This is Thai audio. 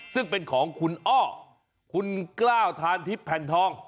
ซึ่งเป็นของคุณอ้อคุณกล้าวทานทิพย์แผ่นทอง